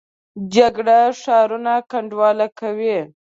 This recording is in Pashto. جګړه ښارونه کنډواله کوي